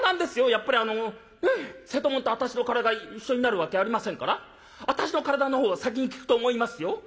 やっぱりあのええ瀬戸物と私の体一緒になるわけありませんから私の体のほうを先に聞くと思いますよ」。